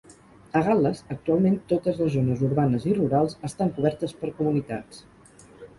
A Gal·les, actualment totes les zones urbanes i rurals estan cobertes per comunitats.